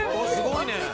「すごいね」